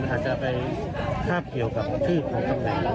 อาจจะไปคาบเกี่ยวกับชื่อของตำแหน่ง